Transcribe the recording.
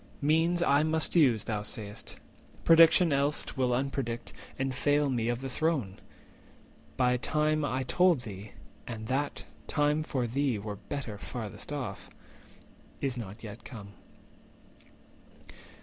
Means I must use, thou say'st; prediction else Will unpredict, and fail me of the throne! My time, I told thee (and that time for thee Were better farthest off), is not yet come.